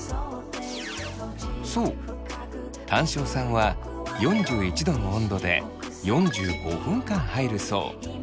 そうタン塩さんは４１℃の温度で４５分間入るそう。